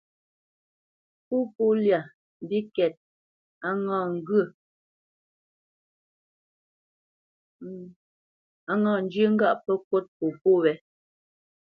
Pópo lyá mbíkɛ̂t, á ŋǎ zhyə́ ŋgâʼ pə́ ŋkût popó wé.